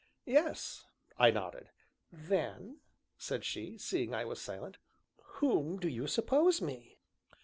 "Yes," I nodded. "Then," said she, seeing I was silent, "whom do you suppose me?"